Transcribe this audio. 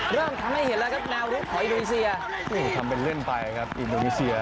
เริ่มให้เห็นกับแนวรูปของอินโดนีเซีย